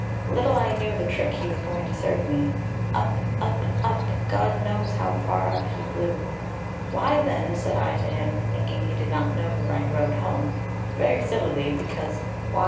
Little I knew the trick he was going to serve me. Up up up, God knows how far up he flew. 'Why then,' said I to him thinking he did not know the right road home very civilly, because why?